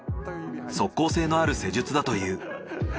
即効性のある施術だという。